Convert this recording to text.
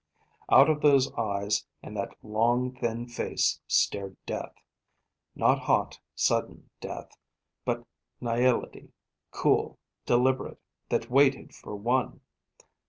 Out of those eyes and that long, thin face stared death; not hot, sudden death, but nihility, cool, deliberate, that waited for one!